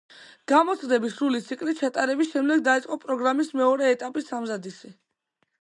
გამოცდების სრული ციკლით ჩატარების შემდეგ დაიწყო პროგრამის მეორე ეტაპის სამზადისი.